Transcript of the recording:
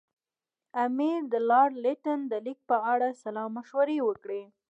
امیر د لارډ لیټن د لیک په اړه سلا مشورې وکړې.